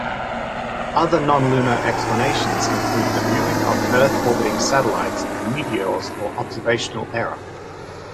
Other non-lunar explanations include the viewing of Earth-orbiting satellites and meteors or observational error.